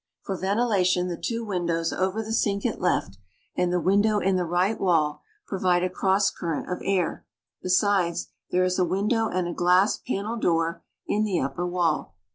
For ventilation the two windows over the sink at left and the window in the right wall provide a cross current of air. Besides, there is a window and a glass panel door in the upper wall.